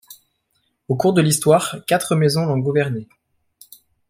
Au cours de l'histoire, quatre maisons l'ont gouverné.